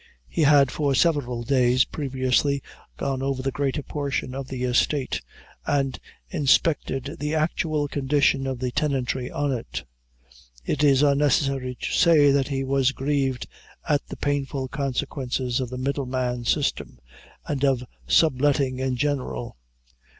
He had for several days previously gone over the greater portion of the estate, and inspected the actual condition of the tenantry on it. It is unnecessary to say that he was grieved at the painful consequences of the middleman system, and of sub letting in general.